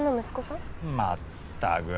まったく。